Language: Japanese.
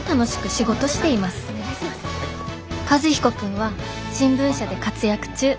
和彦君は新聞社で活躍中。